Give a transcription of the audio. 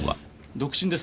独身です。